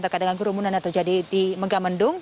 terkait dengan kerumunan yang terjadi di megamendung